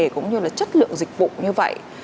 cũng như là chất lượng dịch vụ như vậy